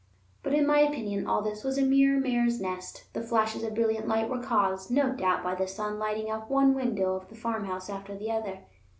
But, in my opinion, all this was a mere mare's nest; the flashes of brilliant light were caused, no doubt, by the sun lighting up one window of the farmhouse after the other.